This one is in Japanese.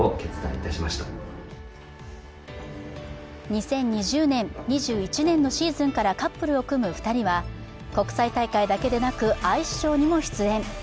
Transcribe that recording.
２０２０年、２１年のシーズンからカップルを組む２人は国際大会だけでなくアイスショーにも出演。